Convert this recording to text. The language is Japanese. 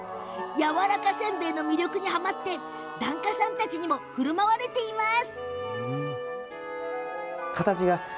やわらかせんべいの魅力にはまって檀家さんたちにもふるまわれています。